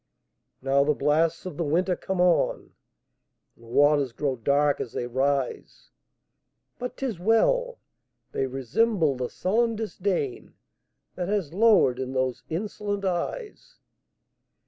Now the blasts of the winter come on, And the waters grow dark as they rise! But 't is well!—they resemble the sullen disdainThat has lowered in those insolent eyes.